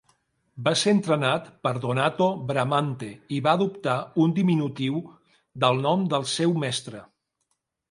Va ser entrenat per Donato Bramante, i va adoptar un diminutiu del nom del seu mestre.